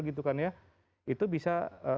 gitu kan ya itu bisa